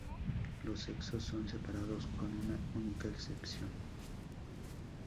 Los sexos son separados, con una única excepción.